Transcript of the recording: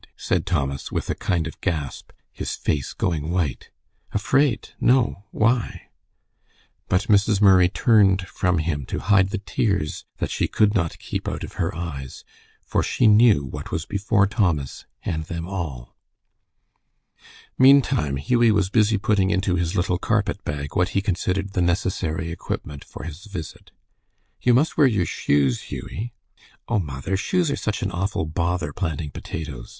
said Thomas, with a kind of gasp, his face going white. "Afraid! No. Why?" But Mrs. Murray turned from him to hide the tears that she could not keep out of her eyes, for she knew what was before Thomas and them all. Meantime Hughie was busy putting into his little carpet bag what he considered the necessary equipment for his visit. "You must wear your shoes, Hughie." "Oh, mother, shoes are such an awful bother planting potatoes.